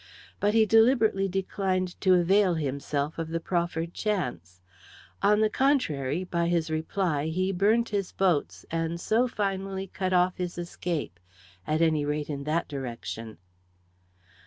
But he deliberately declined to avail himself of the proffered chance. On the contrary, by his reply he burnt his boats, and so finally cut off his escape at any rate in that direction.